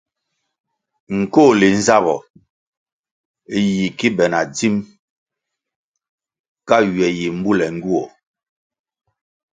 Nkohli nzabpo yi ki be na dzim ka ywe yi mbule ngywuoh.